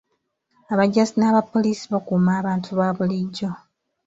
Abajaasi n'aba poliisi bakuuma abantu ba bulijjo.